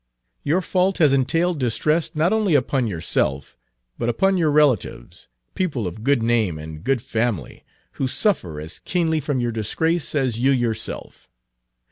Your fault has entailed distress not only upon yourself, but upon your relatives, people of good name and good family, who suffer as keenly from your disgrace as you yourself.